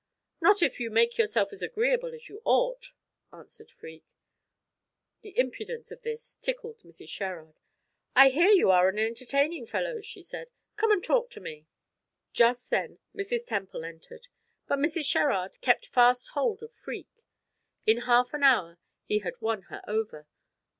"Not if you make yourself as agreeable as you ought," answered Freke. The impudence of this tickled Mrs. Sherrard. "I hear you are an entertaining fellow," she said. "Come and talk to me." Just then Mrs. Temple entered, but Mrs. Sherrard kept fast hold of Freke. In half an hour he had won her over.